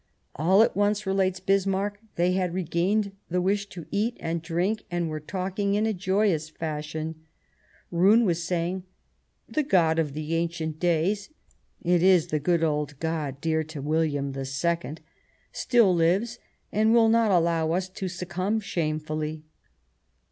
" All at once," relates Bismarck, " they had re gained the wish to eat and drink and were talking in a joyous fashion. Roon was saying :' The God of the ancient days [it is the good old God, dear to William II] still lives, and will not allow us to succumb shamefully.'"